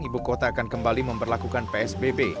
ibu kota akan kembali memperlakukan psbb